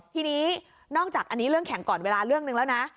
ทีนี้นอกจากอันนี้เรื่องแข่งก่อนเวลาเรื่องหนึ่งแล้วนะ